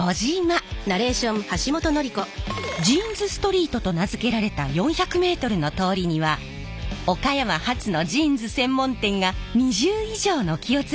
ジーンズストリートと名付けられた４００メートルの通りには岡山発のジーンズ専門店が２０以上軒を連ねています。